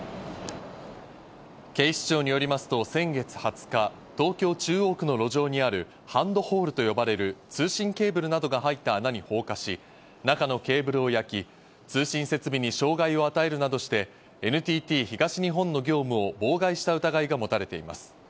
警視庁によりますと先月２０日、東京・中央区の路上にあるハンドホールと呼ばれる通信ケーブルなどが入った穴に放火し、中のケーブルを焼き、通信設備に障害を与えるなどしてＮＴＴ東日本の業務を妨害した疑いが持たれています。